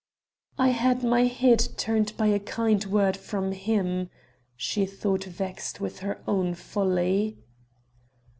"I had my head turned by a kind word from him...." she thought vexed with her own folly.